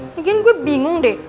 lagian gue bingung deh